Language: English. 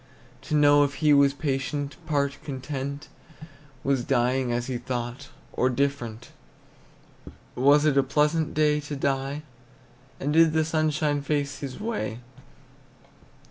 To know if he was patient, part content, Was dying as he thought, or different; Was it a pleasant day to die, And did the sunshine face his way?